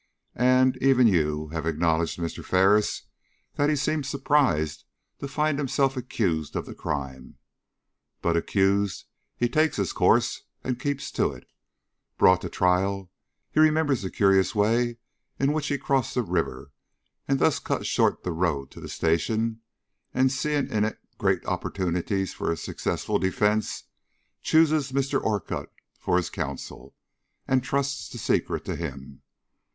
and, even you have acknowledged, Mr. Ferris, that he seemed surprised to find himself accused of the crime. But, accused, he takes his course and keeps to it. Brought to trial, he remembers the curious way in which he crossed the river, and thus cut short the road to the station; and, seeing in it great opportunities for a successful defence, chooses Mr. Orcutt for his counsel, and trusts the secret to him.